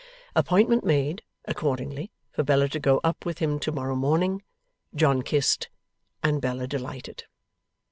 Appointment made, accordingly, for Bella to go up with him to morrow morning; John kissed; and Bella delighted.